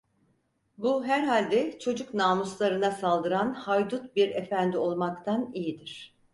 Bu, herhalde çocuk namuslarına saldıran haydut bir efendi olmaktan iyidir.